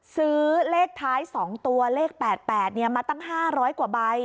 ซื้อเลขท้าย๒ตัวเลข๘๘มาตั้ง๕๐๐กว่าใบ